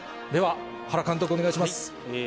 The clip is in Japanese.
では原監督、お願いします。